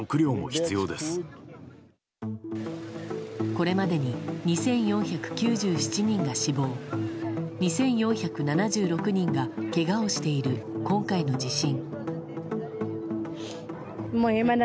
これまでに２４９７人が死亡２４７６人がけがをしている今回の地震。